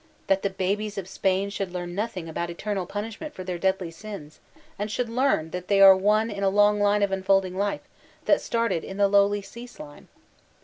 That the babies of Spain should learn nothing about eternal pun ishment for their deadly sins, and should learn that they are one in a long line of unfolding life that started in the lowly sea slime